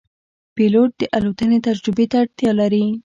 پیلوټ د الوتنې تجربې ته اړتیا لري.